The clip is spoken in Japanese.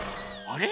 あれ？